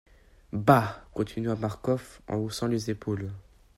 Bah ! continua Marcof en haussant les épaules.